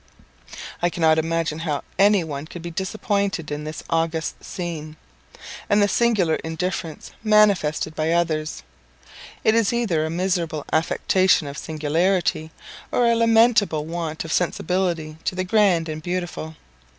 I cannot imagine how any one could be disappointed in this august scene; and the singular indifference manifested by others; it is either a miserable affectation of singularity, or a lamentable want of sensibility to the grand and beautiful.